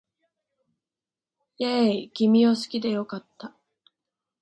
イェーイ君を好きで良かった